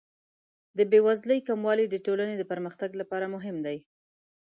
د بې وزلۍ کموالی د ټولنې د پرمختګ لپاره مهم دی.